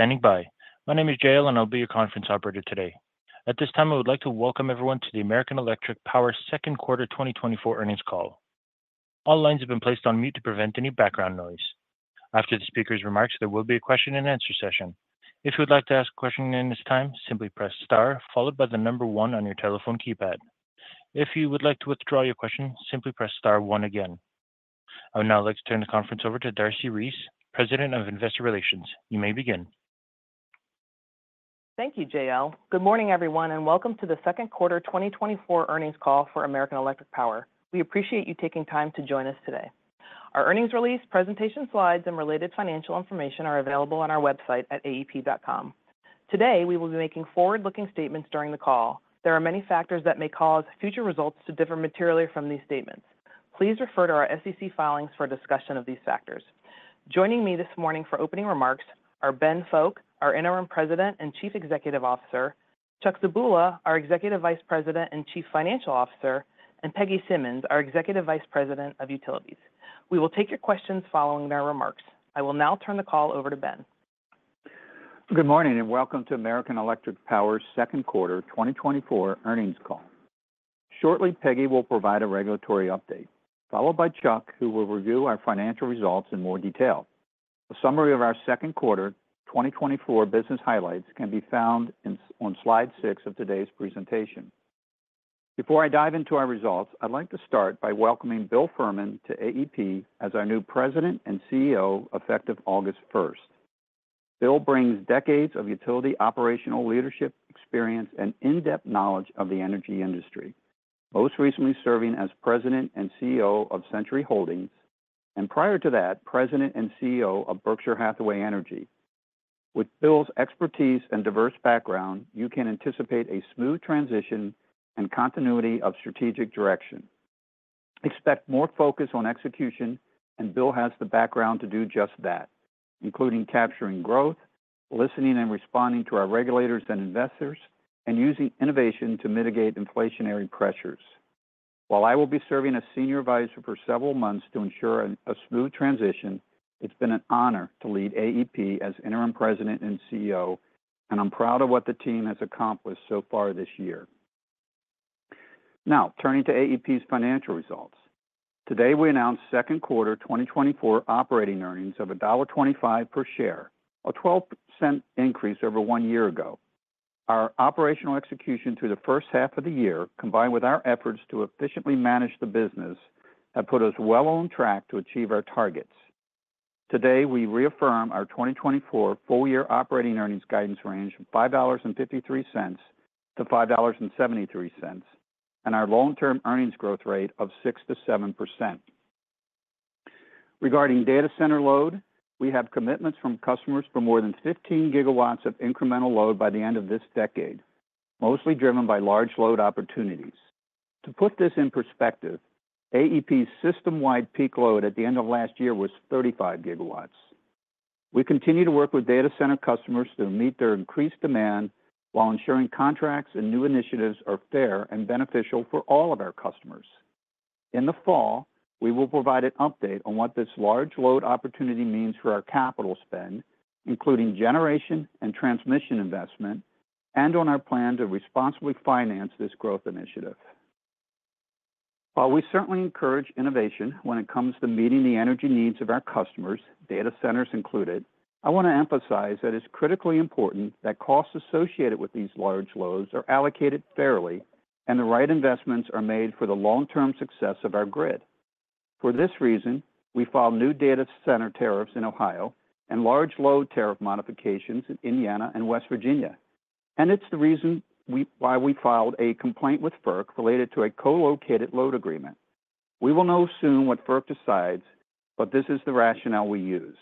Thank you for standing by. My name is JL, and I'll be your conference operator today. At this time, I would like to welcome everyone to the American Electric Power Second Quarter 2024 Earnings Call. All lines have been placed on mute to prevent any background noise. After the speaker's remarks, there will be a question and answer session. If you would like to ask a question during this time, simply press Star, followed by the number one on your telephone keypad. If you would like to withdraw your question, simply press Star one again. I would now like to turn the conference over to Darcy Reese, President of Investor Relations. You may begin. Thank you, JL. Good morning, everyone, and welcome to the second quarter 2024 earnings call for American Electric Power. We appreciate you taking time to join us today. Our earnings release, presentation slides, and related financial information are available on our website at aep.com. Today, we will be making forward-looking statements during the call. There are many factors that may cause future results to differ materially from these statements. Please refer to our SEC filings for a discussion of these factors. Joining me this morning for opening remarks are Ben Fowke, our Interim President and Chief Executive Officer, Chuck Zebula, our Executive Vice President and Chief Financial Officer, and Peggy Simmons, our Executive Vice President of Utilities. We will take your questions following their remarks. I will now turn the call over to Ben. Good morning, and welcome to American Electric Power's second quarter 2024 earnings call. Shortly, Peggy will provide a regulatory update, followed by Chuck, who will review our financial results in more detail. A summary of our second quarter 2024 business highlights can be found on slide six of today's presentation. Before I dive into our results, I'd like to start by welcoming Bill Fehrman to AEP as our new President and CEO, effective August 1. Bill brings decades of utility operational leadership experience and in-depth knowledge of the energy industry, most recently serving as President and CEO of Centuri Holdings, and prior to that, President and CEO of Berkshire Hathaway Energy. With Bill's expertise and diverse background, you can anticipate a smooth transition and continuity of strategic direction. Expect more focus on execution, and Bill has the background to do just that, including capturing growth, listening and responding to our regulators and investors, and using innovation to mitigate inflationary pressures. While I will be serving as Senior Advisor for several months to ensure a smooth transition, it's been an honor to lead AEP as Interim President and CEO, and I'm proud of what the team has accomplished so far this year. Now, turning to AEP's financial results. Today, we announced second quarter 2024 operating earnings of $1.25 per share, a 12% increase over one year ago. Our operational execution through the first half of the year, combined with our efforts to efficiently manage the business, have put us well on track to achieve our targets. Today, we reaffirm our 2024 full-year operating earnings guidance range from $5.53-$5.73, and our long-term earnings growth rate of 6% to 7%. Regarding data center load, we have commitments from customers for more than 15GW of incremental load by the end of this decade, mostly driven by large load opportunities. To put this in perspective, AEP's system-wide peak load at the end of last year was 35GW. We continue to work with data center customers to meet their increased demand while ensuring contracts and new initiatives are fair and beneficial for all of our customers. In the fall, we will provide an update on what this large load opportunity means for our capital spend, including generation and transmission investment, and on our plan to responsibly finance this growth initiative. While we certainly encourage innovation when it comes to meeting the energy needs of our customers, data centers included, I want to emphasize that it's critically important that costs associated with these large loads are allocated fairly and the right investments are made for the long-term success of our grid. For this reason, we filed new data center tariffs in Ohio and large load tariff modifications in Indiana and West Virginia. It's the reason we, why we filed a complaint with FERC related to a co-located load agreement. We will know soon what FERC decides, but this is the rationale we used.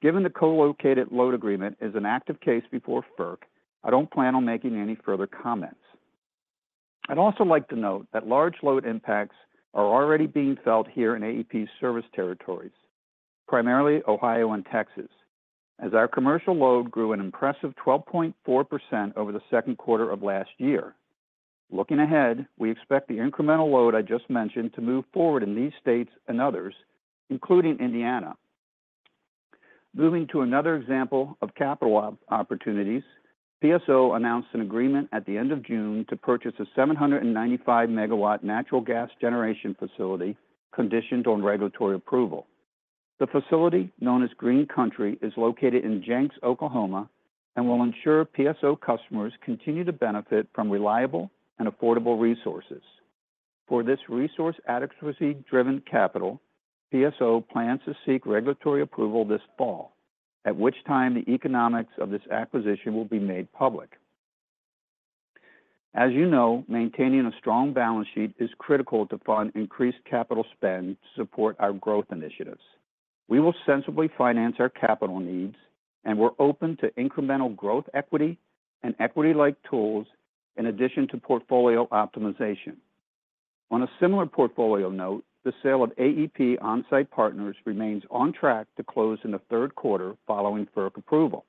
Given the co-located load agreement is an active case before FERC, I don't plan on making any further comments. I'd also like to note that large load impacts are already being felt here in AEP's service territories, primarily Ohio and Texas, as our commercial load grew an impressive 12.4% over the second quarter of last year. Looking ahead, we expect the incremental load I just mentioned to move forward in these states and others, including Indiana. Moving to another example of capital opportunities, PSO announced an agreement at the end of June to purchase a 795 MW natural gas generation facility, conditioned on regulatory approval. The facility, known as Green Country, is located in Jenks, Oklahoma, and will ensure PSO customers continue to benefit from reliable and affordable resources. For this resource adequacy-driven capital, PSO plans to seek regulatory approval this fall, at which time the economics of this acquisition will be made public. As you know, maintaining a strong balance sheet is critical to fund increased capital spend to support our growth initiatives. We will sensibly finance our capital needs, and we're open to incremental growth equity and equity-like tools in addition to portfolio optimization. On a similar portfolio note, the sale of AEP OnSite Partners remains on track to close in the third quarter following FERC approval.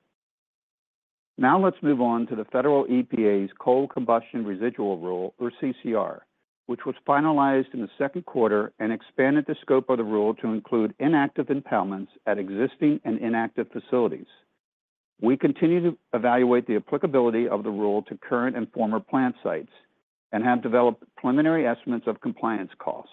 Now let's move on to the federal EPA's Coal Combustion Residuals rule, or CCR, which was finalized in the second quarter and expanded the scope of the rule to include inactive impoundments at existing and inactive facilities. We continue to evaluate the applicability of the rule to current and former plant sites and have developed preliminary estimates of compliance costs.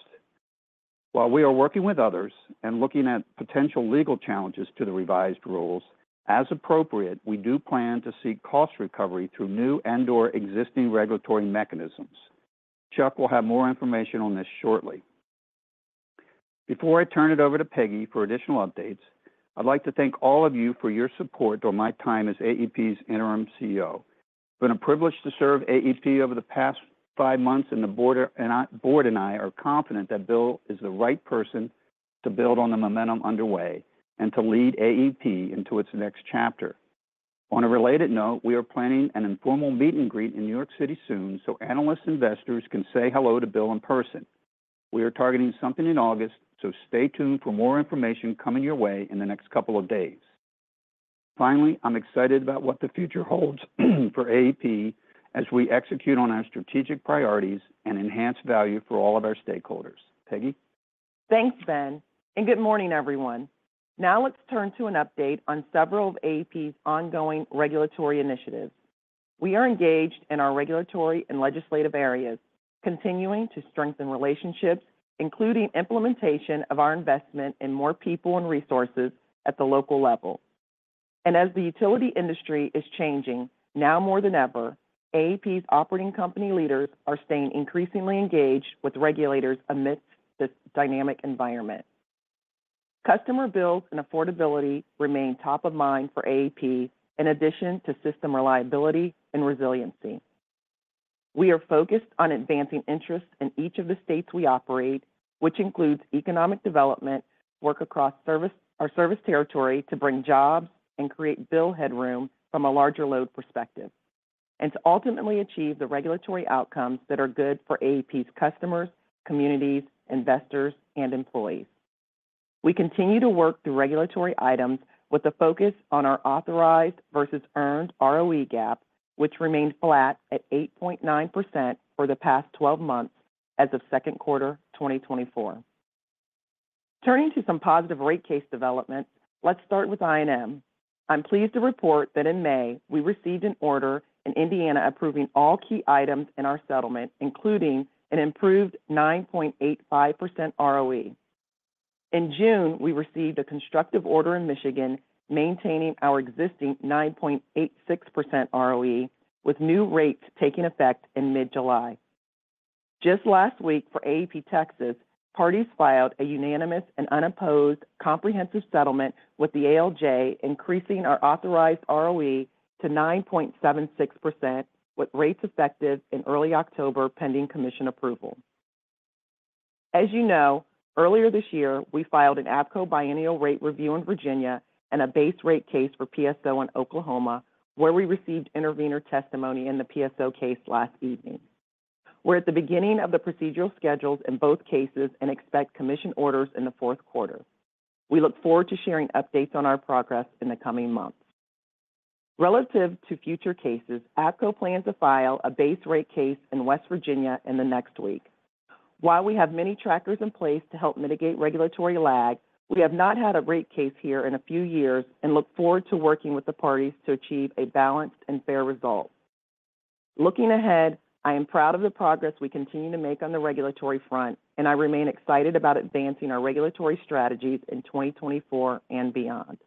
While we are working with others and looking at potential legal challenges to the revised rules, as appropriate, we do plan to seek cost recovery through new and/or existing regulatory mechanisms. Chuck will have more information on this shortly. Before I turn it over to Peggy for additional updates, I'd like to thank all of you for your support during my time as AEP's interim CEO. It's been a privilege to serve AEP over the past five months, and the board and I are confident that Bill is the right person to build on the momentum underway and to lead AEP into its next chapter. On a related note, we are planning an informal meet and greet in New York City soon, so analysts and investors can say hello to Bill in person. We are targeting something in August, so stay tuned for more information coming your way in the next couple of days. Finally, I'm excited about what the future holds for AEP as we execute on our strategic priorities and enhance value for all of our stakeholders. Peggy? Thanks, Ben, and good morning, everyone. Now let's turn to an update on several of AEP's ongoing regulatory initiatives. We are engaged in our regulatory and legislative areas, continuing to strengthen relationships, including implementation of our investment in more people and resources at the local level. As the utility industry is changing, now more than ever, AEP's operating company leaders are staying increasingly engaged with regulators amidst this dynamic environment. Customer bills and affordability remain top of mind for AEP, in addition to system reliability and resiliency. We are focused on advancing interests in each of the states we operate, which includes economic development, work across our service territory to bring jobs and create bill headroom from a larger load perspective, and to ultimately achieve the regulatory outcomes that are good for AEP's customers, communities, investors, and employees. We continue to work through regulatory items with a focus on our authorized versus earned ROE gap, which remained flat at 8.9% for the past 12 months as of second quarter 2024. Turning to some positive rate case developments, let's start with I&M. I'm pleased to report that in May, we received an order in Indiana approving all key items in our settlement, including an improved 9.85% ROE. In June, we received a constructive order in Michigan, maintaining our existing 9.86% ROE, with new rates taking effect in mid-July. Just last week, for AEP Texas, parties filed a unanimous and unopposed comprehensive settlement with the ALJ, increasing our authorized ROE to 9.76%, with rates effective in early October, pending commission approval. As you know, earlier this year, we filed an APCo biennial rate review in Virginia and a base rate case for PSO in Oklahoma, where we received intervener testimony in the PSO case last evening. We're at the beginning of the procedural schedules in both cases and expect commission orders in the fourth quarter. We look forward to sharing updates on our progress in the coming months. Relative to future cases, APCo plans to file a base rate case in West Virginia in the next week. While we have many trackers in place to help mitigate regulatory lag, we have not had a rate case here in a few years and look forward to working with the parties to achieve a balanced and fair result. Looking ahead, I am proud of the progress we continue to make on the regulatory front, and I remain excited about advancing our regulatory strategies in 2024 and beyond.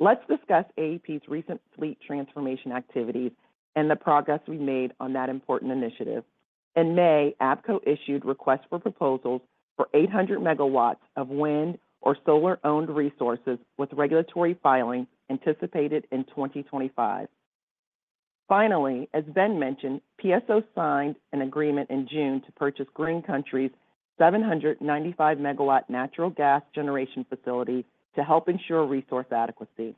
Let's discuss AEP's recent fleet transformation activities and the progress we made on that important initiative. In May, APCo issued requests for proposals for 800 MW of wind or solar-owned resources, with regulatory filing anticipated in 2025. Finally, as Ben mentioned, PSO signed an agreement in June to purchase Green Country Power Plant's 795 MW natural gas generation facility to help ensure resource adequacy.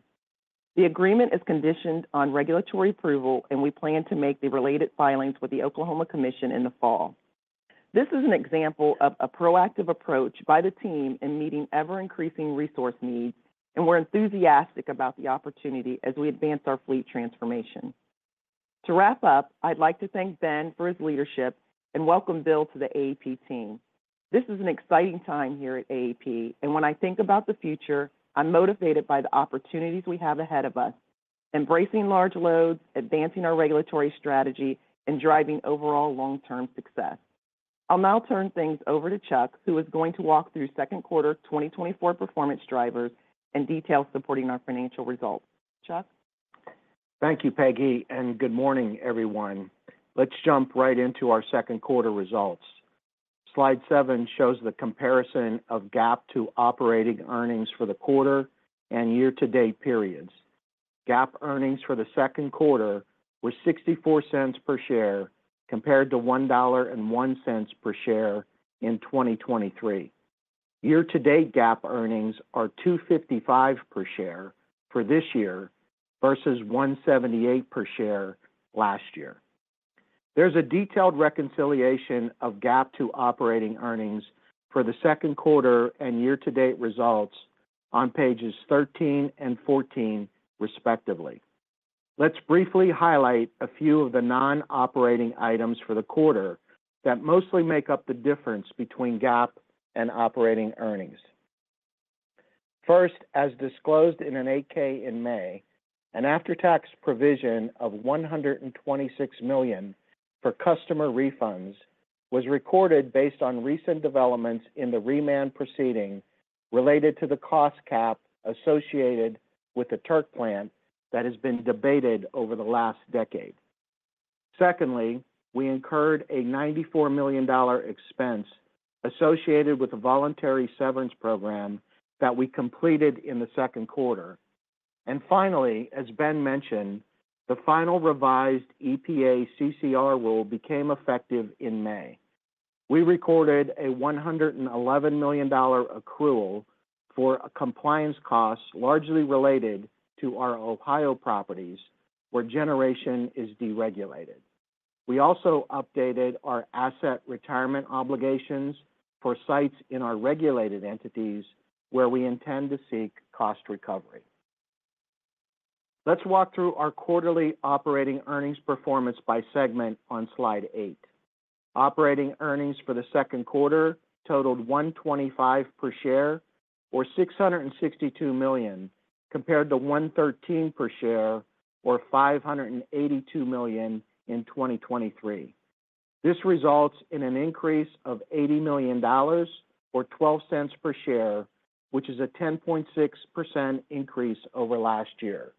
The agreement is conditioned on regulatory approval, and we plan to make the related filings with the Oklahoma Commission in the fall. This is an example of a proactive approach by the team in meeting ever-increasing resource needs, and we're enthusiastic about the opportunity as we advance our fleet transformation. To wrap up, I'd like to thank Ben for his leadership and welcome Bill to the AEP team. This is an exciting time here at AEP, and when I think about the future, I'm motivated by the opportunities we have ahead of us, embracing large loads, advancing our regulatory strategy, and driving overall long-term success. I'll now turn things over to Chuck, who is going to walk through second quarter 2024 performance drivers and details supporting our financial results. Chuck? Thank you, Peggy, and good morning, everyone. Let's jump right into our second quarter results. Slide seven shows the comparison of GAAP to operating earnings for the quarter and year-to-date periods. GAAP earnings for the second quarter were $0.64 per share, compared to $1.01 per share in 2023. Year-to-date GAAP earnings are $2.55 per share for this year versus $1.78 per share last year. There's a detailed reconciliation of GAAP to operating earnings for the second quarter and year-to-date results on pages 13 and 14, respectively. Let's briefly highlight a few of the non-operating items for the quarter that mostly make up the difference between GAAP and operating earnings. First, as disclosed in an 8-K in May, an after-tax provision of $126 million for customer refunds was recorded based on recent developments in the remand proceeding related to the cost cap associated with the Turk plant that has been debated over the last decade. Secondly, we incurred a $94 million expense associated with the voluntary severance program that we completed in the second quarter. And finally, as Ben mentioned, the final revised EPA CCR rule became effective in May. We recorded a $111 million accrual for a compliance cost, largely related to our Ohio properties, where generation is deregulated. We also updated our asset retirement obligations for sites in our regulated entities where we intend to seek cost recovery. Let's walk through our quarterly operating earnings performance by segment on slide eight. Operating earnings for the second quarter totaled $1.25 per share, or $662 million, compared to $1.13 per share, or $582 million in 2023. This results in an increase of $80 million or $0.12 per share, which is a 10.6% increase over last year.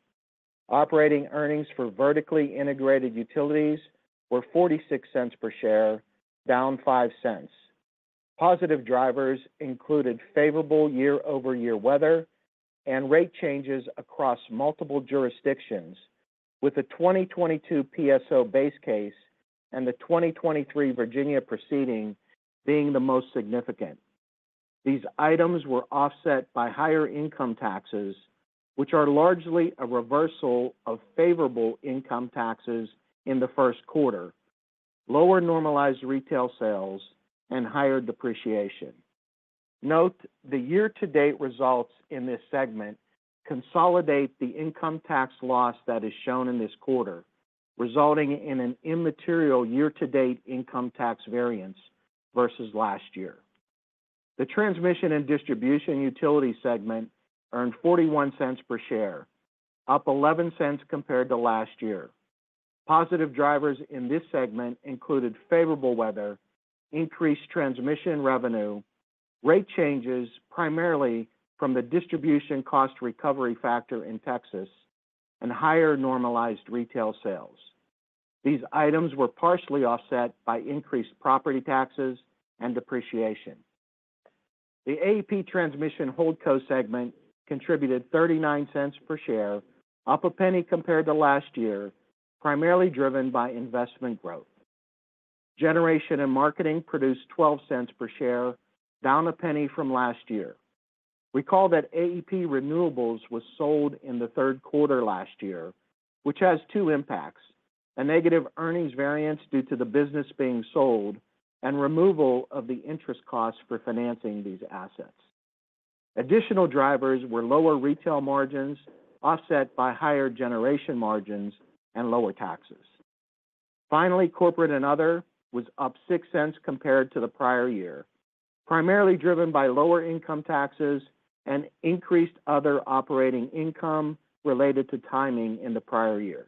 Operating earnings for vertically integrated utilities were $0.46 per share, down $0.05. Positive drivers included favorable year-over-year weather and rate changes across multiple jurisdictions, with the 2022 PSO base case and the 2023 Virginia proceeding being the most significant. These items were offset by higher income taxes, which are largely a reversal of favorable income taxes in the first quarter, lower normalized retail sales, and higher depreciation. Note, the year-to-date results in this segment consolidate the income tax loss that is shown in this quarter, resulting in an immaterial year-to-date income tax variance versus last year. The transmission and distribution utility segment earned $0.41 per share, up $0.11 compared to last year. Positive drivers in this segment included favorable weather, increased transmission revenue, rate changes, primarily from the Distribution Cost Recovery Factor in Texas, and higher normalized retail sales. These items were partially offset by increased property taxes and depreciation. The AEP Transmission Holdco segment contributed $0.39 per share, up $0.01 compared to last year, primarily driven by investment growth. Generation and marketing produced $0.12 per share, down $0.01 from last year. Recall that AEP Renewables was sold in the third quarter last year, which has two impacts: a negative earnings variance due to the business being sold, and removal of the interest costs for financing these assets. Additional drivers were lower retail margins, offset by higher generation margins and lower taxes. Finally, corporate and other was up $0.06 compared to the prior year, primarily driven by lower income taxes and increased other operating income related to timing in the prior year.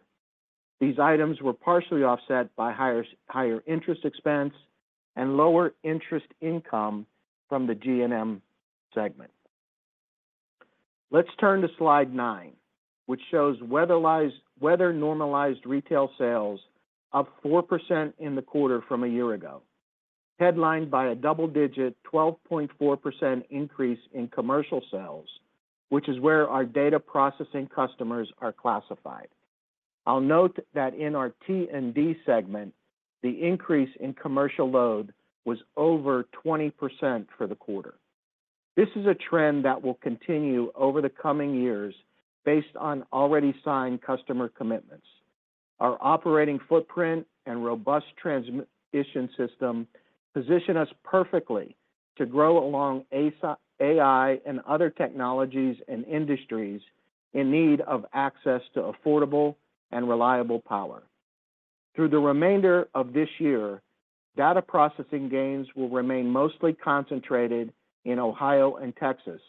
These items were partially offset by higher interest expense and lower interest income from the G&M segment. Let's turn to slide nine, which shows weather-normalized retail sales up 4% in the quarter from a year ago, headlined by a double-digit 12.4% increase in commercial sales, which is where our data processing customers are classified. I'll note that in our T&D segment, the increase in commercial load was over 20% for the quarter. This is a trend that will continue over the coming years based on already signed customer commitments. Our operating footprint and robust transmission system position us perfectly to grow along with AI and other technologies and industries in need of access to affordable and reliable power. Through the remainder of this year, data processing gains will remain mostly concentrated in Ohio and Texas.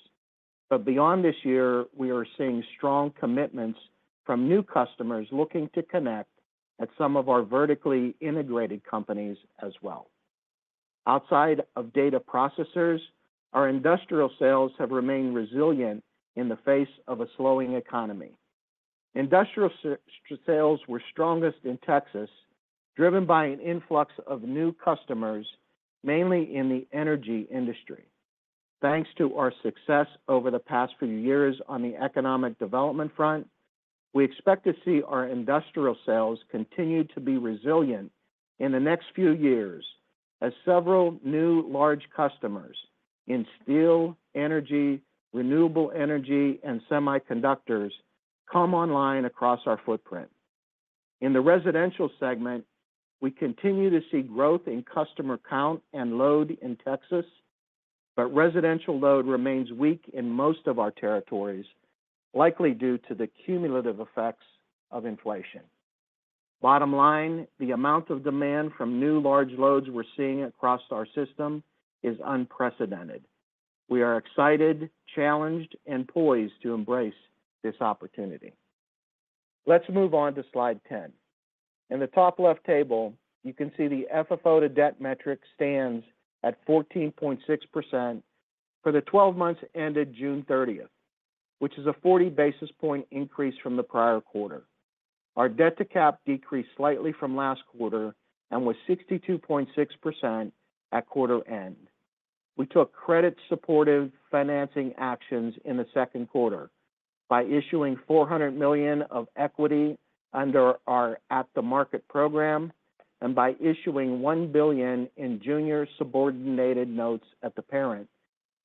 But beyond this year, we are seeing strong commitments from new customers looking to connect at some of our vertically integrated companies as well. Outside of data processors, our industrial sales have remained resilient in the face of a slowing economy. Industrial sales were strongest in Texas, driven by an influx of new customers, mainly in the energy industry. Thanks to our success over the past few years on the economic development front, we expect to see our industrial sales continue to be resilient in the next few years as several new large customers in steel, energy, renewable energy, and semiconductors come online across our footprint. In the residential segment, we continue to see growth in customer count and load in Texas, but residential load remains weak in most of our territories, likely due to the cumulative effects of inflation. Bottom line, the amount of demand from new large loads we're seeing across our system is unprecedented. We are excited, challenged, and poised to embrace this opportunity. Let's move on to slide 10. In the top left table, you can see the FFO to debt metric stands at 14.6% for the 12 months ended June 30, which is a 40 basis point increase from the prior quarter. Our debt to cap decreased slightly from last quarter and was 62.6% at quarter end. We took credit-supportive financing actions in the second quarter by issuing $400 million of equity under our at-the-market program and by issuing $1 billion in junior subordinated notes at the parent,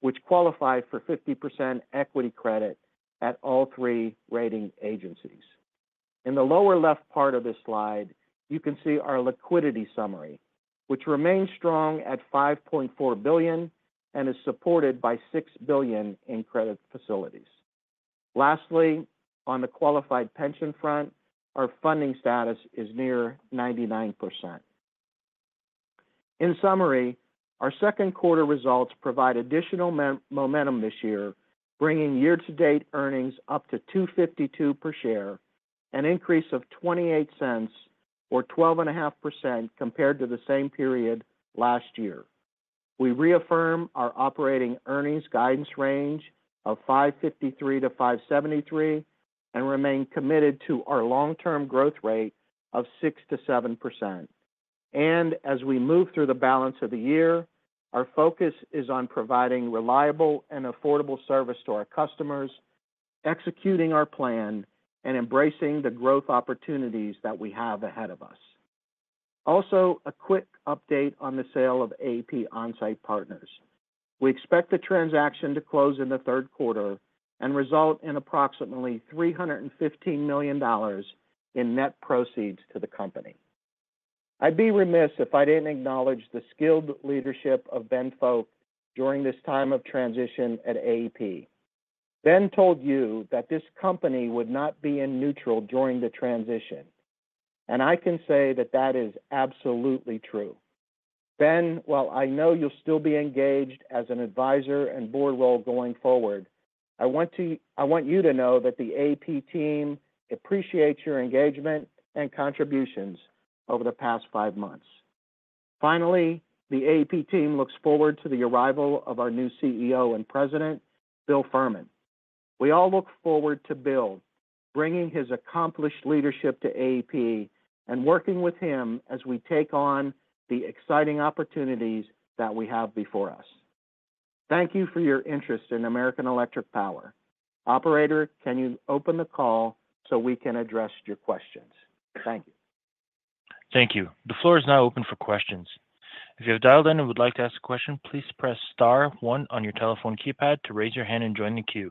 which qualify for 50% equity credit at all three rating agencies. In the lower left part of this slide, you can see our liquidity summary, which remains strong at $5.4 billion and is supported by $6 billion in credit facilities. Lastly, on the qualified pension front, our funding status is near 99%. In summary, our second quarter results provide additional momentum this year, bringing year-to-date earnings up to $2.52 per share, an increase of $0.28 or 12.5% compared to the same period last year. We reaffirm our operating earnings guidance range of $5.53-$5.73 and remain committed to our long-term growth rate of 6% to 7%. As we move through the balance of the year, our focus is on providing reliable and affordable service to our customers, executing our plan, and embracing the growth opportunities that we have ahead of us. Also, a quick update on the sale of AEP OnSite Partners. We expect the transaction to close in the third quarter and result in approximately $315 million in net proceeds to the company. I'd be remiss if I didn't acknowledge the skilled leadership of Ben Fowke during this time of transition at AEP. Ben told you that this company would not be in neutral during the transition, and I can say that that is absolutely true. Ben, while I know you'll still be engaged as an advisor and board role going forward, I want to- I want you to know that the AEP team appreciates your engagement and contributions over the past five months. Finally, the AEP team looks forward to the arrival of our new CEO and President, Bill Fehrman. We all look forward to Bill bringing his accomplished leadership to AEP and working with him as we take on the exciting opportunities that we have before us. Thank you for your interest in American Electric Power. Operator, can you open the call so we can address your questions? Thank you. Thank you. The floor is now open for questions. If you have dialed in and would like to ask a question, please press star one on your telephone keypad to raise your hand and join the queue.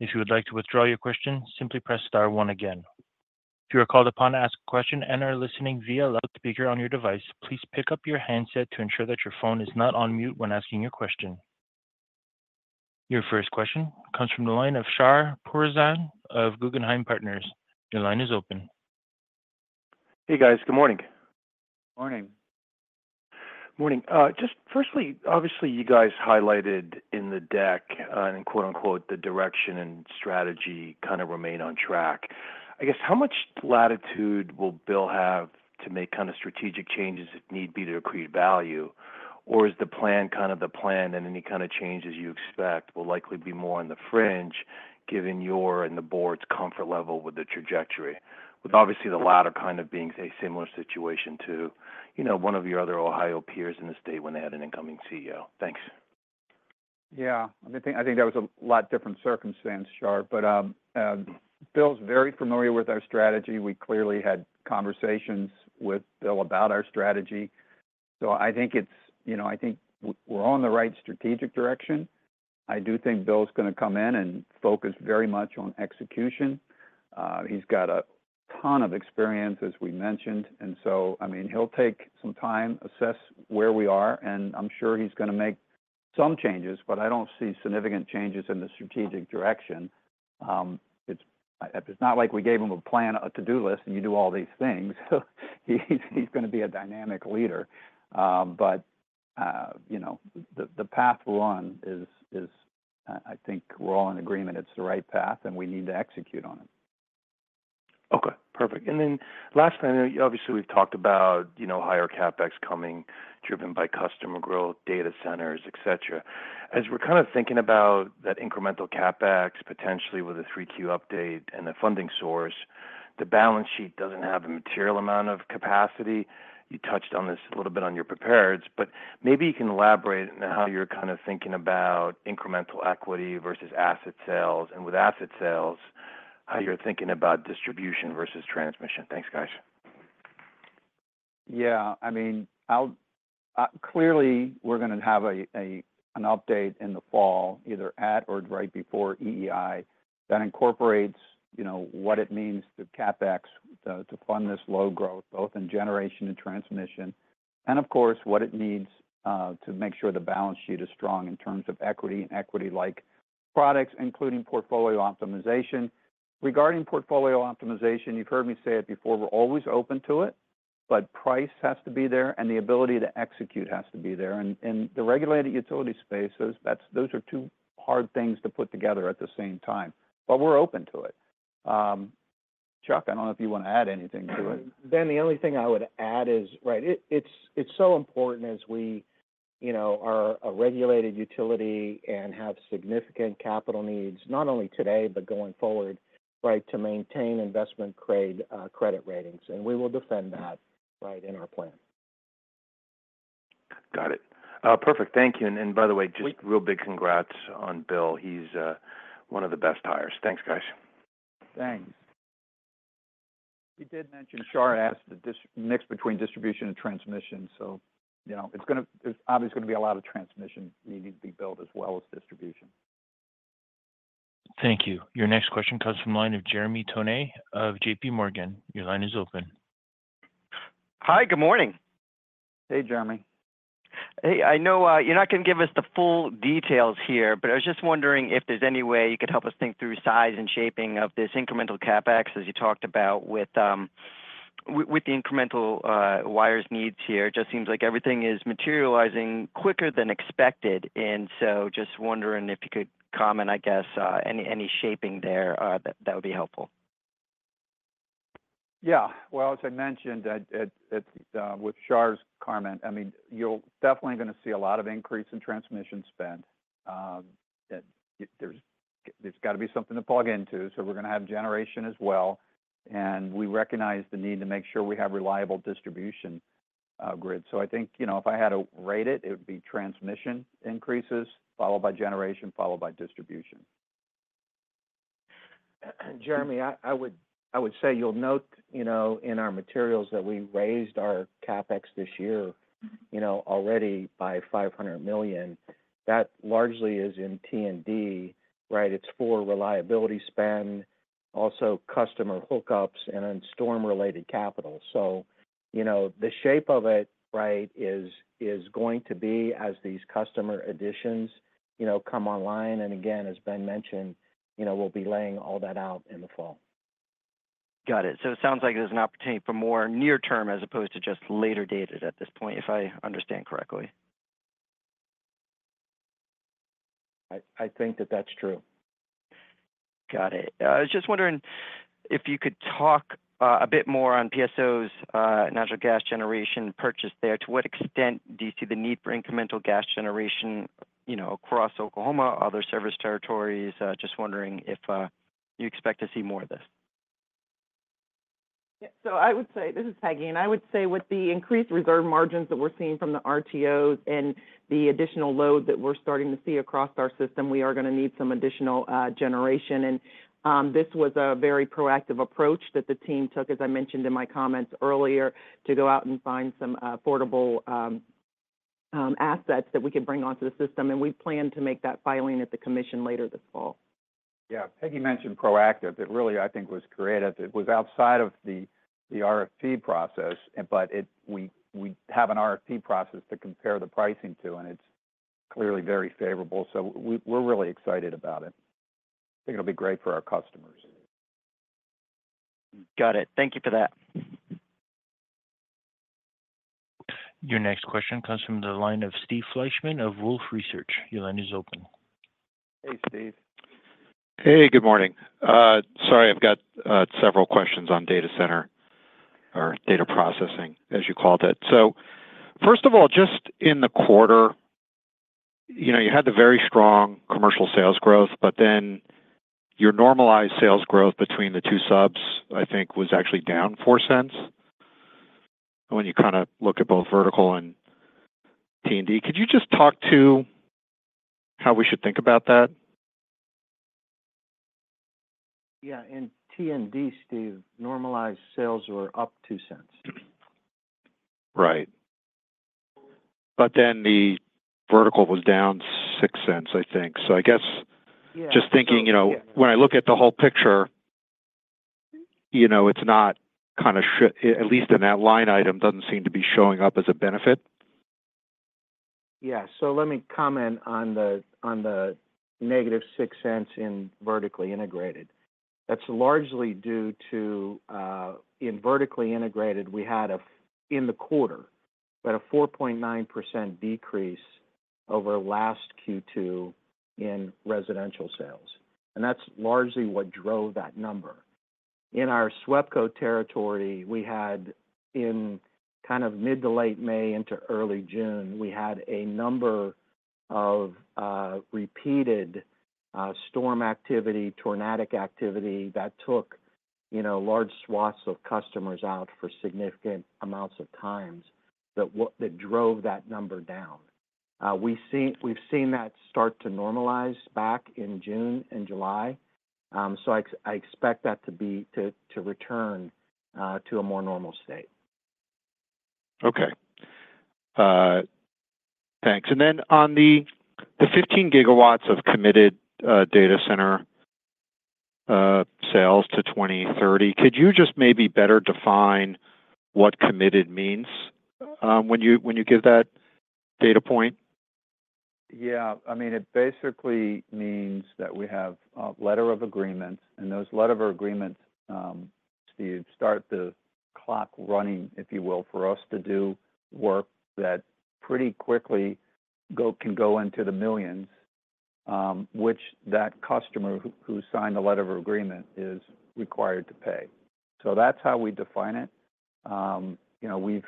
If you would like to withdraw your question, simply press star one again. If you are called upon to ask a question and are listening via loudspeaker on your device, please pick up your handset to ensure that your phone is not on mute when asking your question. Your first question comes from the line of Shahriar Pourreza of Guggenheim Partners. Your line is open. Hey, guys. Good morning. Morning. Morning. Just firstly, obviously, you guys highlighted in the deck, and quote-unquote, "the direction and strategy kind of remain on track." I guess, how much latitude will Bill have to make kind of strategic changes if need be, to create value? Or is the plan kind of the plan, and any kind of changes you expect will likely be more on the fringe, given your and the board's comfort level with the trajectory? With obviously the latter kind of being a similar situation to, you know, one of your other Ohio peers in the state when they had an incoming CEO. Thanks. Yeah, I think that was a lot different circumstance, Shar. But Bill's very familiar with our strategy. We clearly had conversations with Bill about our strategy. So I think it's, you know, I think we're on the right strategic direction. I do think Bill's going to come in and focus very much on execution. He's got a ton of experience, as we mentioned, and so, I mean, he'll take some time, assess where we are, and I'm sure he's going to make some changes, but I don't see significant changes in the strategic direction. It's not like we gave him a plan, a to-do list, and you do all these things. So he's going to be a dynamic leader. But, you know, the path we're on is, I think we're all in agreement it's the right path, and we need to execute on it. Okay, perfect. And then lastly, obviously, we've talked about, you know, higher CapEx coming, driven by customer growth, data centers, et cetera. As we're kind of thinking about that incremental CapEx, potentially with a third quarter update and a funding source, the balance sheet doesn't have a material amount of capacity. You touched on this a little bit on your prepareds, but maybe you can elaborate on how you're kind of thinking about incremental equity versus asset sales, and with asset sales, how you're thinking about distribution versus transmission. Thanks, guys. Yeah, I mean, I'll clearly we're gonna have an update in the fall, either at or right before EEI, that incorporates, you know, what it means to CapEx to fund this low growth, both in generation and transmission. And of course, what it means to make sure the balance sheet is strong in terms of equity and equity-like products, including portfolio optimization. Regarding portfolio optimization, you've heard me say it before, we're always open to it, but price has to be there, and the ability to execute has to be there. And the regulated utility spaces, that's those are two hard things to put together at the same time, but we're open to it. Chuck, I don't know if you want to add anything to it. Ben, the only thing I would add is, right, it's so important as we, you know, are a regulated utility and have significant capital needs, not only today, but going forward, right, to maintain investment grade credit ratings, and we will defend that, right, in our plan. Got it. Perfect. Thank you. And by the way, just real big congrats on Bill. He's one of the best hires. Thanks, guys. Thanks. He did mention, Shar asked the mix between distribution and transmission, so you know, there's obviously going to be a lot of transmission needing to be built as well as distribution. Thank you. Your next question comes from the line of Jeremy Tonet of J.P. Morgan Chase & Co. Your line is open. Hi, good morning. Hey, Jeremy. Hey, I know, you're not going to give us the full details here, but I was just wondering if there's any way you could help us think through size and shaping of this incremental CapEx, as you talked about with, with, with the incremental, wires needs here. It just seems like everything is materializing quicker than expected, and so just wondering if you could comment, I guess, any, any shaping there, that would be helpful. Yeah. Well, as I mentioned, that with Shar's comment, I mean, you'll definitely going to see a lot of increase in transmission spend. That there's got to be something to plug into, so we're going to have generation as well, and we recognize the need to make sure we have reliable distribution grid. So I think, you know, if I had to rate it, it would be transmission increases, followed by generation, followed by distribution. Jeremy, I would say you'll note, you know, in our materials that we raised our CapEx this year, you know, already by $500 million. That largely is in T&D, right? It's for reliability spend, also customer hookups, and then storm-related capital. So you know, the shape of it, right, is going to be as these customer additions, you know, come online, and again, as Ben mentioned, you know, we'll be laying all that out in the fall. Got it. So it sounds like there's an opportunity for more near term as opposed to just later dated at this point, if I understand correctly? I think that that's true. Got it. I was just wondering if you could talk a bit more on PSO's natural gas generation purchase there. To what extent do you see the need for incremental gas generation, you know, across Oklahoma, other service territories? Just wondering if you expect to see more of this? Yeah, so I would say, this is Peggy, and I would say with the increased reserve margins that we're seeing from the RTOs and the additional load that we're starting to see across our system, we are going to need some additional generation. This was a very proactive approach that the team took, as I mentioned in my comments earlier, to go out and find some affordable assets that we could bring onto the system, and we plan to make that filing at the commission later this fall. Yeah. Peggy mentioned proactive. It really, I think, was creative. It was outside of the RFP process, but we have an RFP process to compare the pricing to, and it's clearly very favorable, so we're really excited about it. I think it'll be great for our customers. Got it. Thank you for that. Your next question comes from the line of Steve Fleischmann of Wolfe Research. Your line is open. Hey, Steve. Hey, good morning. Sorry, I've got several questions on data center or data processing, as you called it. So first of all, just in the quarter, you know, you had the very strong commercial sales growth, but then your normalized sales growth between the two subs, I think, was actually down $0.04. When you kind of look at both vertical and T&D, could you just talk to how we should think about that? Yeah, in T&D, Steve, normalized sales were up $0.02. Right. But then the vertical was down $0.06, I think. So I guess- Yeah Just thinking, you know, when I look at the whole picture, you know, it's not kind of shit, at least in that line item, doesn't seem to be showing up as a benefit. Yeah. So let me comment on the, on the -$0.06 in vertically integrated. That's largely due to, in vertically integrated, we had a, in the quarter, but a 4.9% decrease over last Q2 in residential sales, and that's largely what drove that number. In our SWEPCO territory, we had in kind of mid to late May into early June, we had a number of, repeated, storm activity, tornadic activity that took, you know, large swaths of customers out for significant amounts of times that-- that drove that number down. We've seen that start to normalize back in June and July. So I expect that to return to a more normal state. Okay. Thanks. And then on the 15 GW of committed data center sales to 2030, could you just maybe better define what committed means, when you give that data point? Yeah. I mean, it basically means that we have a letter of agreement, and those letter of agreements, Steve, start the clock running, if you will, for us to do work that pretty quickly can go into the millions, which that customer who signed the letter of agreement is required to pay. So that's how we define it. You know,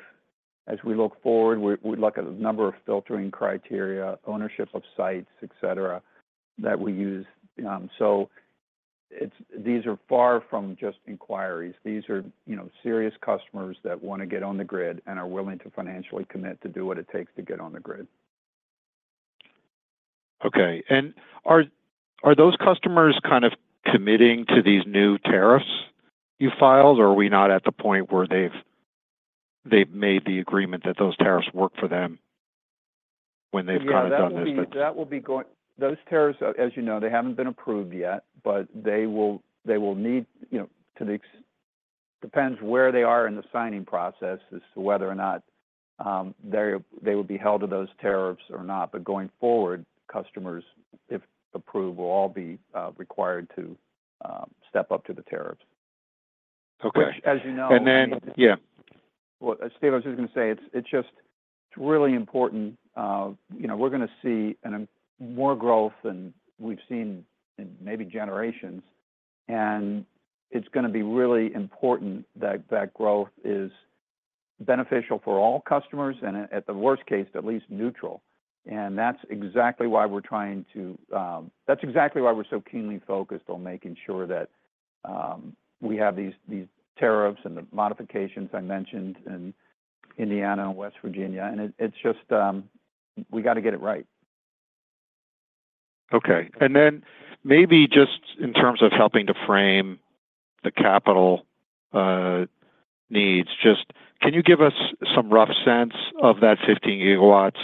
as we look forward, we look at a number of filtering criteria, ownership of sites, et cetera, that we use. So it's—these are far from just inquiries. These are, you know, serious customers that want to get on the grid and are willing to financially commit to do what it takes to get on the grid. Okay. And are those customers kind of committing to these new tariffs you filed, or are we not at the point where they've made the agreement that those tariffs work for them when they've gone and done this? Yeah, that will be going. Those tariffs, as you know, they haven't been approved yet, but they will need, you know, to the extent. Depends where they are in the signing process as to whether or not they would be held to those tariffs or not. But going forward, customers, if approved, will all be required to step up to the tariffs. Okay. Which, as you know- And then, yeah. Well, Steve, I was just going to say, it's just really important. You know, we're gonna see and more growth than we've seen in maybe generations, and it's gonna be really important that that growth is beneficial for all customers, and at worst case, at least neutral. And that's exactly why we're trying to, that's exactly why we're so keenly focused on making sure that we have these tariffs and the modifications I mentioned in Indiana and West Virginia. And it's just, we got to get it right. Okay. And then maybe just in terms of helping to frame the capital needs, just can you give us some rough sense of that 15 gigawatts,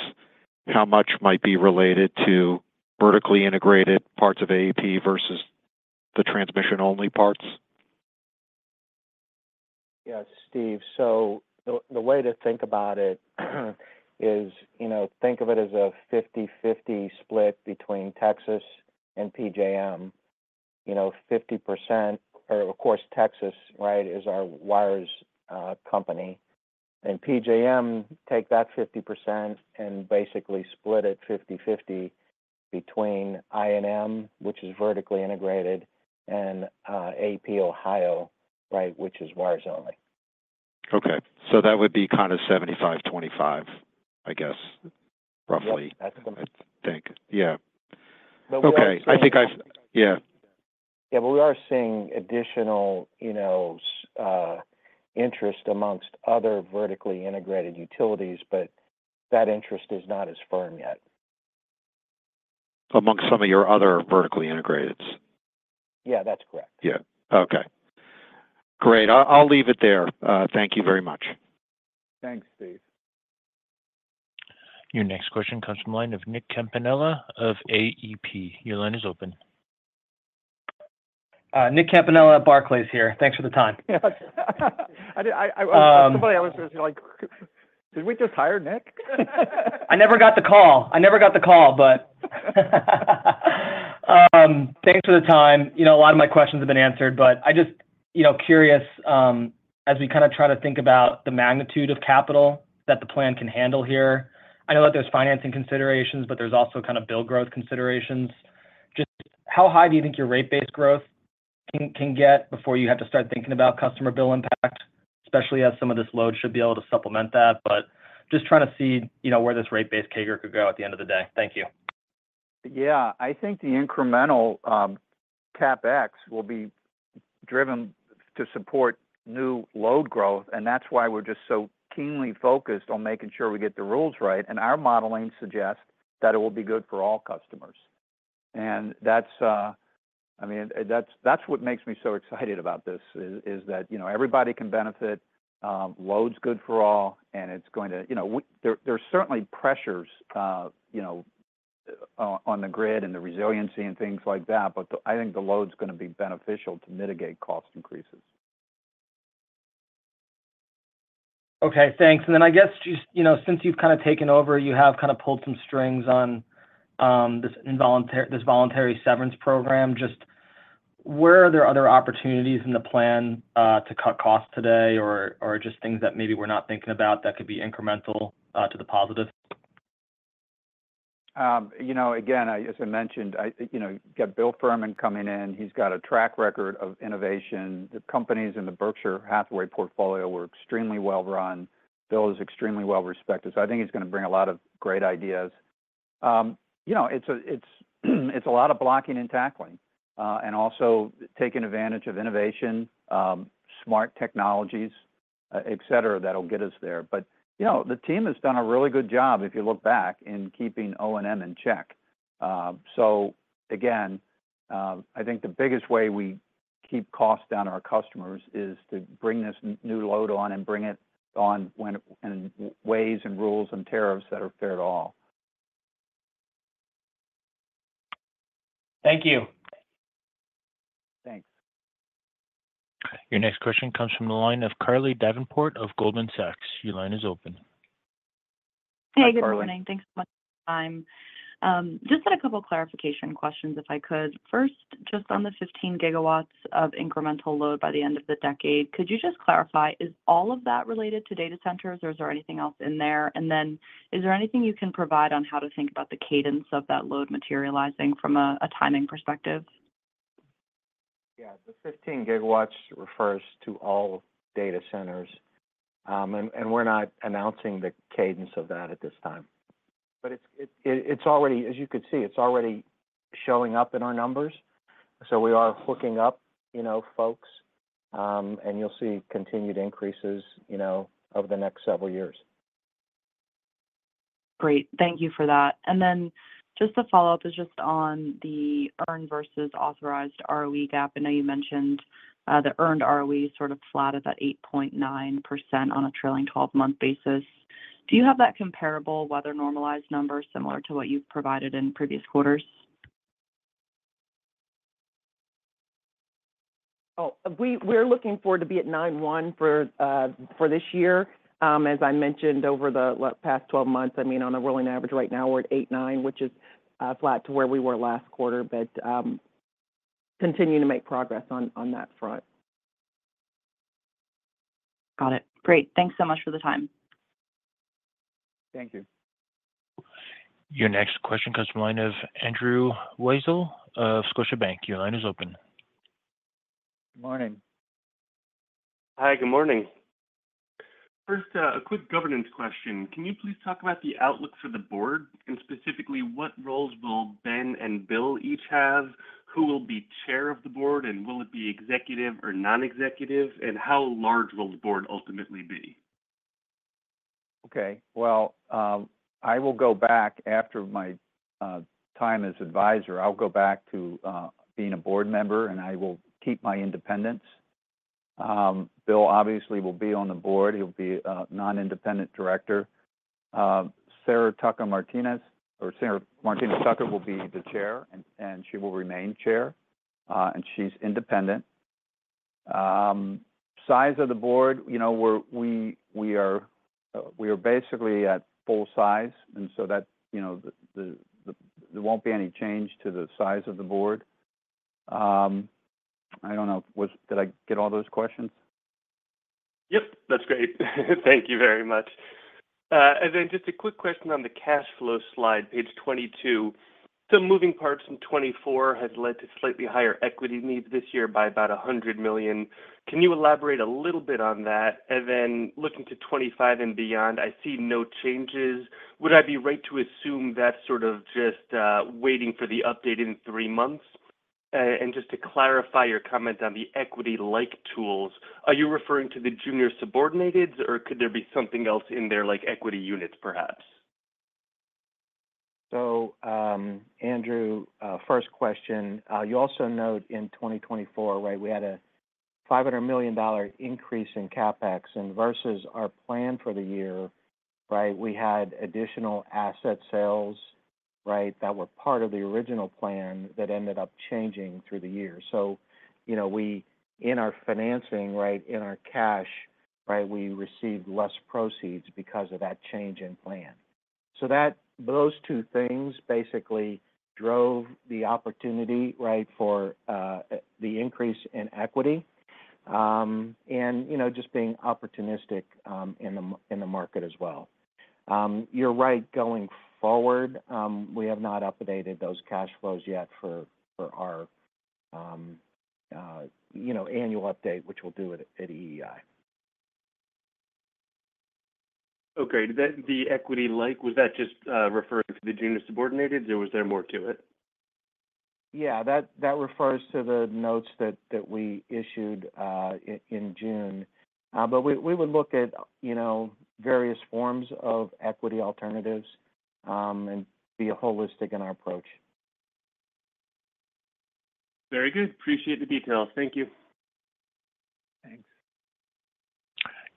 how much might be related to vertically integrated parts of AEP versus the transmission-only parts? Yes, Steve. So the way to think about it is, you know, think of it as a 50/50 split between Texas and PJM. You know, 50%, or of course, Texas, right, is our wires company. And PJM, take that 50% and basically split it 50/50 between I&M, which is vertically integrated, and, uh, AEP Ohio, right, which is wires only. Okay. So that would be kind of 75, 25, I guess, roughly- Yep, that's correct. Think. Yeah. But we are- Okay. I think I've... Yeah. Yeah, but we are seeing additional, you know, interest among other vertically integrated utilities, but that interest is not as firm yet. Among some of your other vertically integrated? Yeah, that's correct. Yeah. Okay. Great. I, I'll leave it there. Thank you very much. Thanks, Steve. Your next question comes from the line of Nick Campanella with Barclays. Your line is open. Nick Campanella, Barclays here. Thanks for the time. Somebody, I was like, "Did we just hire Nick? I never got the call. I never got the call, but thanks for the time. You know, a lot of my questions have been answered, but I just, you know, curious, as we kinda try to think about the magnitude of capital that the plan can handle here, I know that there's financing considerations, but there's also kind of bill growth considerations. Just how high do you think your rate-based growth can get before you have to start thinking about customer bill impact, especially as some of this load should be able to supplement that, but just trying to see, you know, where this rate-based CAGR could go at the end of the day. Thank you. Yeah. I think the incremental CapEx will be driven to support new load growth, and that's why we're just so keenly focused on making sure we get the rules right. And our modeling suggests that it will be good for all customers. And that's, I mean, that's what makes me so excited about this, is that, you know, everybody can benefit, load's good for all, and it's going to... You know, we—there are certainly pressures, you know, on the grid and the resiliency and things like that, but I think the load is gonna be beneficial to mitigate cost increases. Okay, thanks. And then I guess just, you know, since you've kind of taken over, you have kind of pulled some strings on this voluntary severance program, just where are there other opportunities in the plan to cut costs today or just things that maybe we're not thinking about that could be incremental to the positive? You know, again, as I mentioned, I think, you know, got Bill Fehrman coming in. He's got a track record of innovation. The companies in the Berkshire Hathaway portfolio were extremely well-run. Bill is extremely well-respected, so I think he's gonna bring a lot of great ideas. You know, it's a lot of blocking and tackling, and also taking advantage of innovation, smart technologies.... et cetera, that'll get us there. But, you know, the team has done a really good job, if you look back, in keeping O&M in check. So again, I think the biggest way we keep costs down on our customers is to bring this new load on and bring it on when, and ways and rules and tariffs that are fair to all. Thank you. Thanks. Your next question comes from the line of Carly Davenport of Goldman Sachs. Your line is open. Hey, good morning. Hi, Carly. Thanks so much for your time. Just had a couple clarification questions, if I could. First, just on the 15 gigawatts of incremental load by the end of the decade, could you just clarify, is all of that related to data centers, or is there anything else in there? And then, is there anything you can provide on how to think about the cadence of that load materializing from a timing perspective? Yeah, the 15 GW refers to all data centers. And we're not announcing the cadence of that at this time. But it's already, as you can see, it's already showing up in our numbers. So we are hooking up, you know, folks, and you'll see continued increases, you know, over the next several years. Great. Thank you for that. Then just a follow-up is just on the earned versus authorized ROE gap. I know you mentioned the earned ROE sort of flat at 8.9% on a trailing 12-month basis. Do you have that comparable weather normalized number similar to what you've provided in previous quarters? Oh, we're looking forward to be at 9.1 for this year. As I mentioned, over the past 12 months, I mean, on a rolling average right now, we're at 8.9, which is flat to where we were last quarter, but continuing to make progress on that front. Got it. Great. Thanks so much for the time. Thank you. Your next question comes from the line of Andrew Weisel of Scotiabank. Your line is open. Good morning. Hi, good morning. First, a quick governance question. Can you please talk about the outlook for the board, and specifically, what roles will Ben and Bill each have? Who will be chair of the board, and will it be executive or non-executive? And how large will the board ultimately be? Okay. Well, I will go back after my time as advisor. I'll go back to being a board member, and I will keep my independence. Bill obviously will be on the board. He'll be a non-independent director. Sara Tucker Martinez or Sara Martinez Tucker will be the chair, and she will remain chair, and she's independent. Size of the board, you know, we are basically at full size, and so that's, you know, there won't be any change to the size of the board. I don't know. Did I get all those questions? Yep, that's great. Thank you very much. And then just a quick question on the cash flow slide, page 22. So moving parts in 2024 has led to slightly higher equity needs this year by about $100 million. Can you elaborate a little bit on that? And then looking to 2025 and beyond, I see no changes. Would I be right to assume that's sort of just waiting for the update in three months? And just to clarify your comment on the equity-like tools, are you referring to the junior subordinated, or could there be something else in there, like equity units, perhaps? So, Andrew, first question, you also note in 2024, right, we had a $500 million increase in CapEx, and versus our plan for the year, right, we had additional asset sales, right, that were part of the original plan that ended up changing through the year. So, you know, we, in our financing, right, in our cash, right, we received less proceeds because of that change in plan. So that those two things basically drove the opportunity, right, for the increase in equity, and, you know, just being opportunistic in the market as well. You're right. Going forward, we have not updated those cash flows yet for our annual update, which we'll do at EEI. Okay. Did that, the equity link, was that just, referring to the junior subordinated, or was there more to it? Yeah, that refers to the notes that we issued in June. But we would look at, you know, various forms of equity alternatives, and be holistic in our approach. Very good. Appreciate the details. Thank you. Thanks.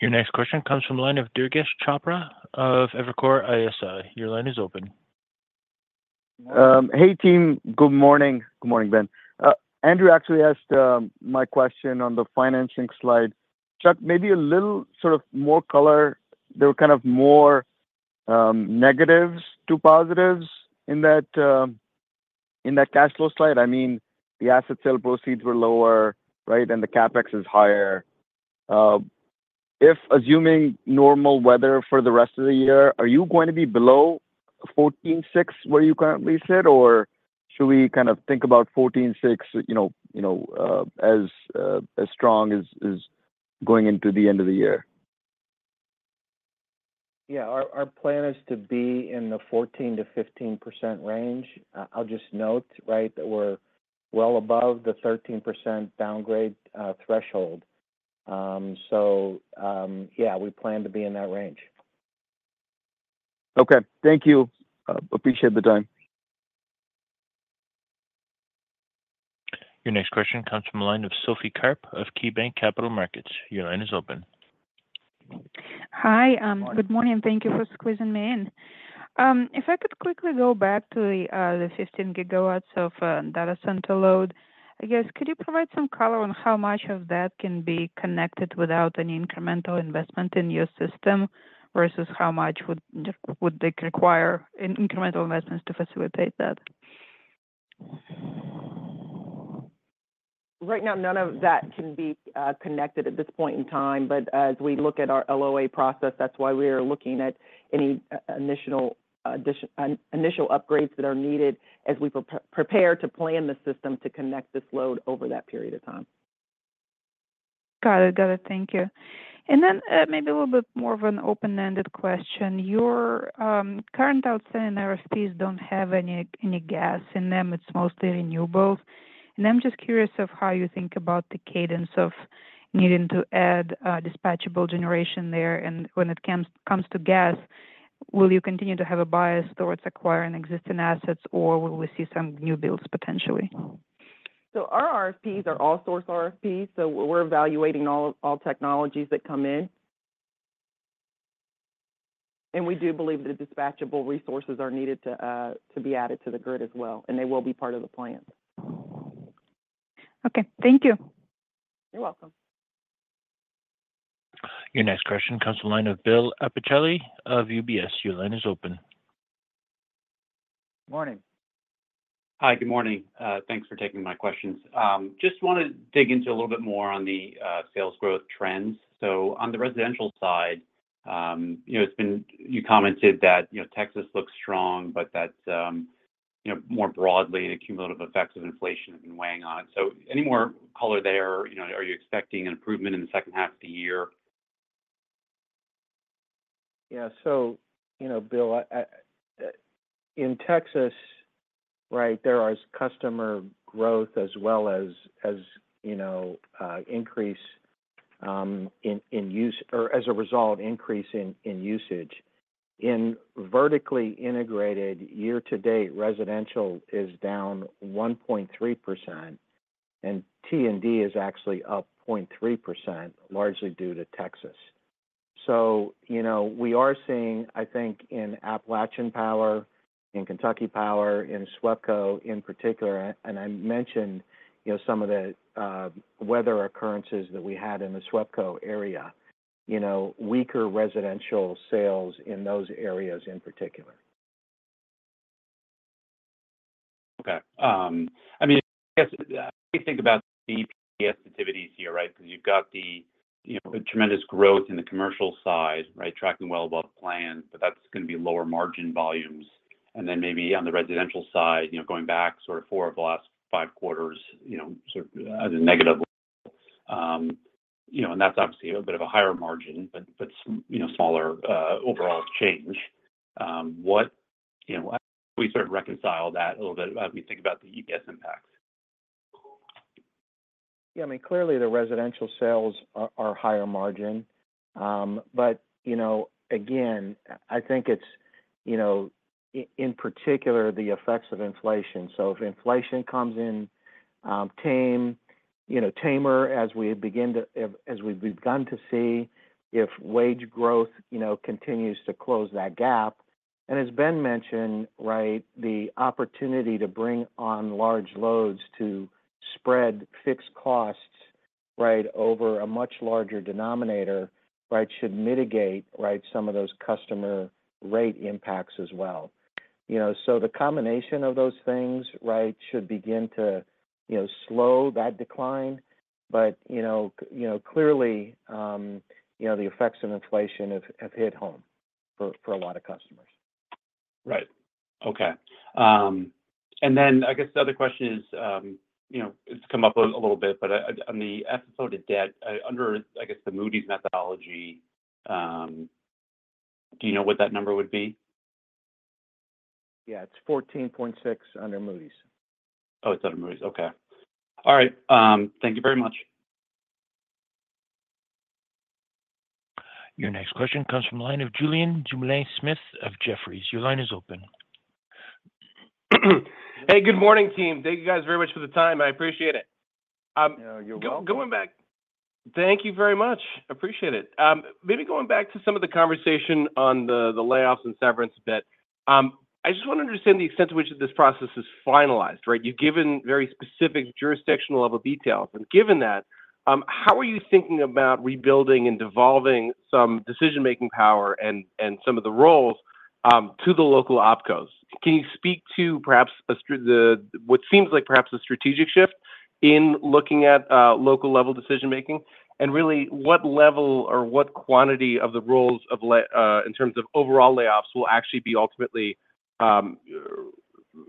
Your next question comes from the line of Durgesh Chopra of Evercore ISI. Your line is open. Hey, team. Good morning. Good morning, Ben. Andrew actually asked my question on the financing slide. Chuck, maybe a little sort of more color. There were kind of more negatives to positives in that cash flow slide. I mean, the asset sale proceeds were lower, right, and the CapEx is higher. If assuming normal weather for the rest of the year, are you going to be below 14.6%, where you currently sit, or should we kind of think about 14.6%, you know, as strong as going into the end of the year? Yeah, our plan is to be in the 14%-15% range. I'll just note, right, that we're well above the 13% downgrade threshold. Yeah, we plan to be in that range. Okay. Thank you. Appreciate the time. Your next question comes from the line of Sophie Karp of KeyBank Capital Markets. Your line is open. Hi, good morning. Thank you for squeezing me in. If I could quickly go back to the, the 15 GW of data center load. I guess, could you provide some color on how much of that can be connected without any incremental investment in your system, versus how much would, would they require in incremental investments to facilitate that? Right now, none of that can be connected at this point in time. But as we look at our LOA process, that's why we are looking at any initial upgrades that are needed as we prepare to plan the system to connect this load over that period of time. Got it. Got it. Thank you. And then, maybe a little bit more of an open-ended question. Your current outstanding RFPs don't have any gas in them, it's mostly renewables. And I'm just curious of how you think about the cadence of needing to add dispatchable generation there. And when it comes to gas, will you continue to have a bias towards acquiring existing assets, or will we see some new builds potentially? So our RFPs are all source RFPs, so we're evaluating all, all technologies that come in. And we do believe that the dispatchable resources are needed to, to be added to the grid as well, and they will be part of the plan. Okay, thank you. You're welcome. Your next question comes from the line of Bill Appicelli of UBS. Your line is open. Morning. Hi, good morning. Thanks for taking my questions. Just want to dig into a little bit more on the sales growth trends. So on the residential side, you know, it's been you commented that, you know, Texas looks strong, but that, you know, more broadly, the cumulative effects of inflation have been weighing on it. So any more color there, you know, are you expecting an improvement in the second half of the year? Yeah. So, you know, Bill, in Texas, right, there are customer growth as well as, as, you know, increase in use-- or as a result, increase in usage. In vertically integrated, year to date, residential is down 1.3%, and T&D is actually up 0.3%, largely due to Texas. So, you know, we are seeing, I think, in Appalachian Power, in Kentucky Power, in SWEPCO in particular, and I mentioned, you know, some of the weather occurrences that we had in the SWEPCO area, you know, weaker residential sales in those areas in particular. Okay. I mean, I guess, we think about the EPS activities here, right? Because you've got the, you know, tremendous growth in the commercial side, right, tracking well above plan, but that's going to be lower margin volumes. And then maybe on the residential side, you know, going back sort of four of the last five quarters, you know, sort of as a negative level. You know, and that's obviously a bit of a higher margin, but, but, you know, smaller, overall change. What-- you know, how do we sort of reconcile that a little bit as we think about the EPS impacts? Yeah, I mean, clearly, the residential sales are higher margin. But, you know, again, I think it's, you know, in particular, the effects of inflation. So if inflation comes in, tame, you know, tamer, as we begin to, as we've begun to see, if wage growth, you know, continues to close that gap. And as Ben mentioned, right, the opportunity to bring on large loads to spread fixed costs, right, over a much larger denominator, right, should mitigate, right, some of those customer rate impacts as well. You know, so the combination of those things, right, should begin to, you know, slow that decline. But, you know, you know, clearly, you know, the effects of inflation have hit home for a lot of customers. Right. Okay. And then I guess the other question is, you know, it's come up a little bit, but, on the FFO to debt, under, I guess, the Moody's methodology, do you know what that number would be? Yeah, it's 14.6% under Moody's. Oh, it's under Moody's. Okay. All right, thank you very much. Your next question comes from the line of Julien Dumoulin-Smith of Jefferies. Your line is open. Hey, good morning, team. Thank you, guys, very much for the time. I appreciate it. Yeah, you're welcome. Going back. Thank you very much. Appreciate it. Maybe going back to some of the conversation on the, the layoffs and severance bit. I just want to understand the extent to which this process is finalized, right? You've given very specific jurisdictional level details. And given that, how are you thinking about rebuilding and devolving some decision-making power and, and some of the roles, to the local opcos? Can you speak to perhaps a str the, what seems like perhaps a strategic shift in looking at, local level decision making? And really, what level or what quantity of the roles in terms of overall layoffs, will actually be ultimately,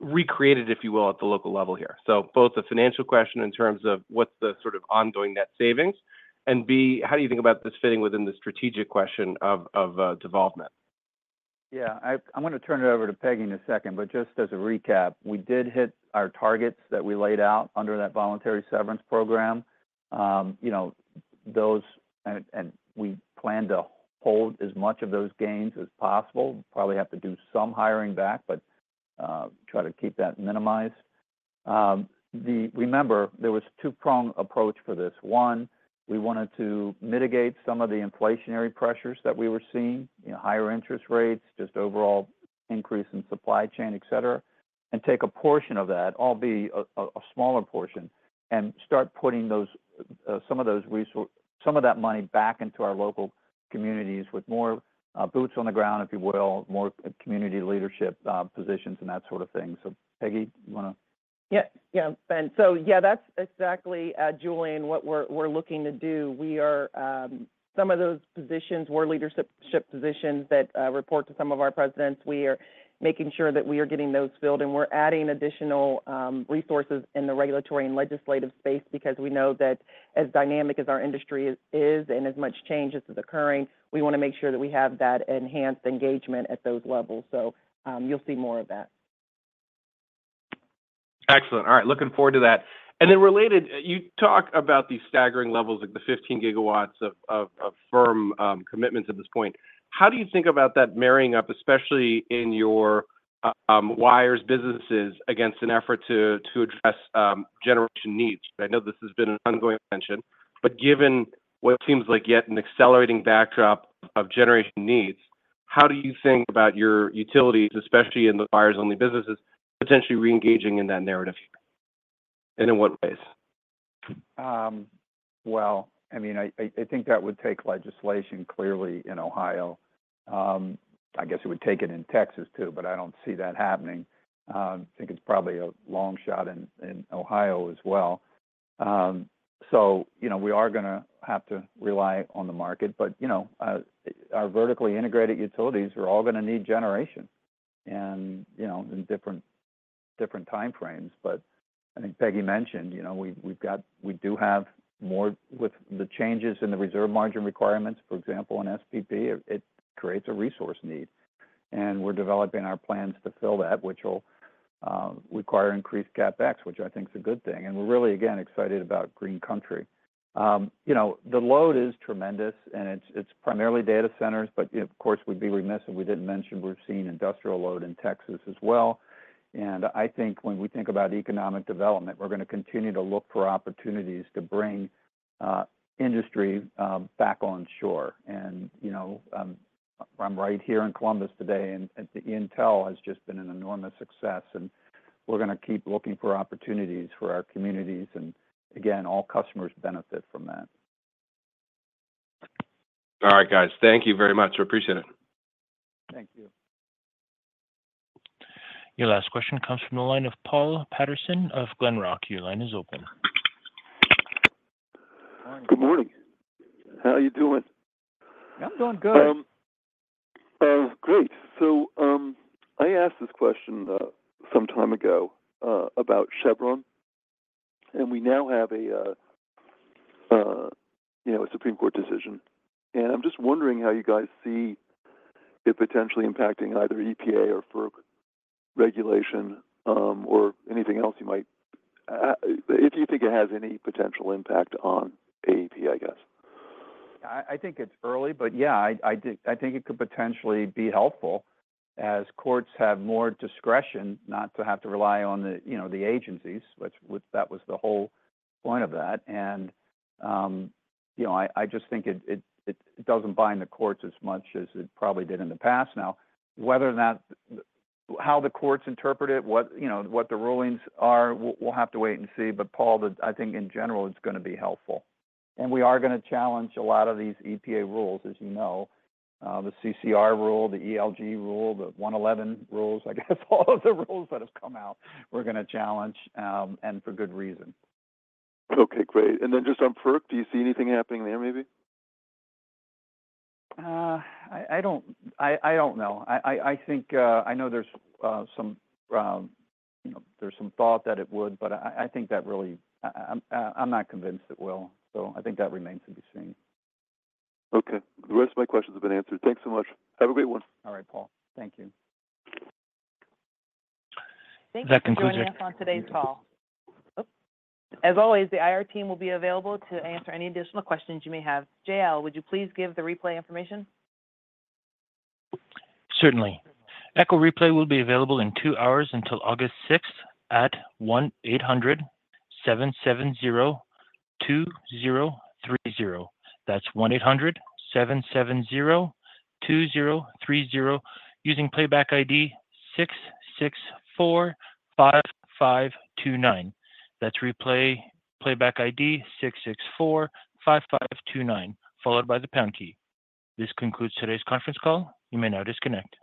recreated, if you will, at the local level here. Both a financial question in terms of what's the sort of ongoing net savings, and B, how do you think about this fitting within the strategic question of development? Yeah, I'm gonna turn it over to Peggy in a second, but just as a recap, we did hit our targets that we laid out under that voluntary severance program. You know, those, and we plan to hold as much of those gains as possible. Probably have to do some hiring back, but try to keep that minimized. Remember, there was a two-prong approach for this. One, we wanted to mitigate some of the inflationary pressures that we were seeing, you know, higher interest rates, just overall increase in supply chain, et cetera, and take a portion of that, albeit a smaller portion, and start putting some of that money back into our local communities with more boots on the ground, if you will, more community leadership positions, and that sort of thing. Peggy, you want to? Yeah. Yeah, Ben. So, yeah, that's exactly, Julien, what we're, we're looking to do. We are, some of those positions were leadership positions that, report to some of our presidents. We are making sure that we are getting those filled, and we're adding additional, resources in the regulatory and legislative space because we know that as dynamic as our industry is, and as much change as is occurring, we wanna make sure that we have that enhanced engagement at those levels. So, you'll see more of that. Excellent. All right, looking forward to that. And then related, you talk about the staggering levels, like the 15 GW of firm commitments at this point. How do you think about that marrying up, especially in your wires businesses, against an effort to address generation needs? I know this has been an ongoing mention, but given what seems like yet an accelerating backdrop of generation needs, how do you think about your utilities, especially in the wires-only businesses, potentially reengaging in that narrative, and in what ways? Well, I mean, I think that would take legislation, clearly, in Ohio. I guess it would take it in Texas, too, but I don't see that happening. I think it's probably a long shot in Ohio as well. So, you know, we are gonna have to rely on the market, but, you know, our vertically integrated utilities are all gonna need generation and, you know, in different time frames. But I think Peggy mentioned, you know, we do have more with the changes in the reserve margin requirements. For example, in SPP, it creates a resource need, and we're developing our plans to fill that, which will require increased CapEx, which I think is a good thing. And we're really, again, excited about Green Country. You know, the load is tremendous, and it's primarily data centers, but, of course, we'd be remiss if we didn't mention we've seen industrial load in Texas as well. And I think when we think about economic development, we're gonna continue to look for opportunities to bring industry back onshore. And, you know, I'm right here in Columbus today, and the Intel has just been an enormous success, and we're gonna keep looking for opportunities for our communities, and again, all customers benefit from that. All right, guys. Thank you very much. We appreciate it. Thank you. Your last question comes from the line of Paul Patterson of Glenrock. Your line is open. Good morning. How are you doing? I'm doing good. Great! So, I asked this question some time ago about Chevron, and we now have a you know, a Supreme Court decision. And I'm just wondering how you guys see it potentially impacting either EPA or FERC regulation, or anything else you might... If you think it has any potential impact on AEP, I guess. I think it's early, but yeah, I think it could potentially be helpful, as courts have more discretion not to have to rely on the, you know, the agencies, which that was the whole point of that. And, you know, I just think it doesn't bind the courts as much as it probably did in the past. Now, whether or not, how the courts interpret it, what, you know, what the rulings are, we'll have to wait and see. But Paul, I think in general, it's gonna be helpful. And we are gonna challenge a lot of these EPA rules, as you know. The CCR rule, the ELG rule, the 111 rules, I guess all of the rules that have come out, we're gonna challenge, and for good reason. Okay, great. And then just on FERC, do you see anything happening there, maybe? I don't know. I think I know there's some, you know, there's some thought that it would, but I think that really, I'm not convinced it will. So I think that remains to be seen. Okay. The rest of my questions have been answered. Thanks so much. Have a great one. All right, Paul. Thank you. That concludes it- Thank you for joining us on today's call. Oops. As always, the IR team will be available to answer any additional questions you may have. JL, would you please give the replay information? Certainly. Echo replay will be available in two hours until August sixth at 1-800-770-2030. That's 1-800-770-2030, using playback ID 664-5529. That's replay playback ID 664-5529, followed by the pound key. This concludes today's conference call. You may now disconnect.